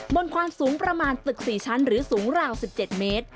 บนความสูงประมาณตึก๔ชั้นหรือสูงราว๑๗เมตร